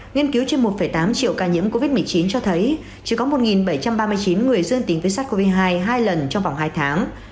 nghiên cứu trên một tám triệu ca nhiễm covid một mươi chín cho thấy chỉ có một bảy trăm ba mươi chín người dương tính với sars cov hai hai lần trong vòng hai tháng